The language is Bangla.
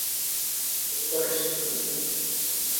কাজের প্রতি তাঁর নিষ্ঠা দেখে মুগ্ধ ছবির পরিচালক সঞ্জয় লীলা বানশালী।